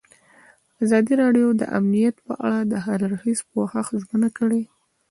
ازادي راډیو د امنیت په اړه د هر اړخیز پوښښ ژمنه کړې.